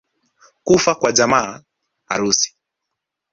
Kufa kwa jamaa, harusi